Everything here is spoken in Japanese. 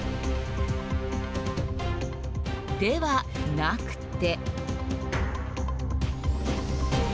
では、なくて。